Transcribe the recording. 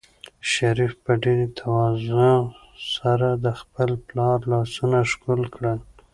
شریف په ډېرې تواضع سره د خپل پلار لاسونه ښکل کړل.